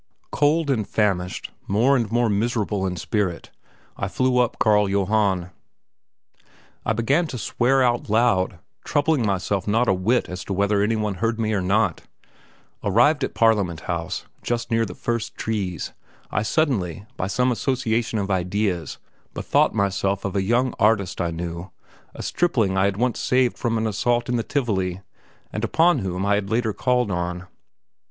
Cold and famished, more and more miserable in spirit, I flew up Carl Johann. I began to swear out aloud, troubling myself not a whit as to whether any one heard me or not. Arrived at Parliament House, just near the first trees, I suddenly, by some association of ideas, bethought myself of a young artist I knew, a stripling I had once saved from an assault in the Tivoli, and upon whom I had called later on.